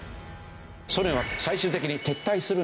ソ連は最終的に撤退するんですよ。